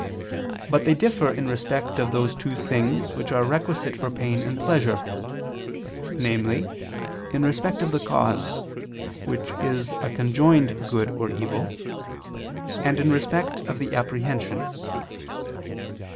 But they differ in respect of those two things which are requisite for pain and pleasure; namely, in respect of the cause, which is a conjoined good or evil; and in respect of the apprehension.